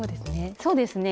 そうですね。